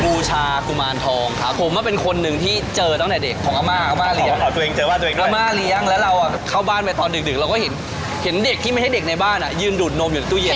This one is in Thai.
บูชากุมารทองครับผมเป็นคนหนึ่งที่เจอตั้งแต่เด็กของอาม่าอาม่าเลี้ยงอาม่าเลี้ยงแล้วเราเข้าบ้านไปตอนดึกเราก็เห็นเด็กที่ไม่ได้เด็กในบ้านยืนดูดนมอยู่ในตู้เย็น